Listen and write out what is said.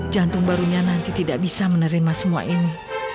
jantung baru nya nanti tidak bisa menerima semua ini